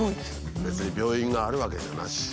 別に病院があるわけじゃなし。